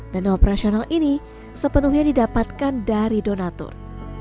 dana operasional ini sepenuhnya didapatkan dari donatur